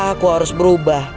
aku harus berubah